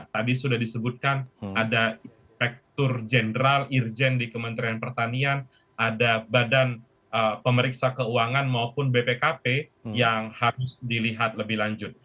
tadi sudah disebutkan ada inspektur jenderal irjen di kementerian pertanian ada badan pemeriksa keuangan maupun bpkp yang harus dilihat lebih lanjut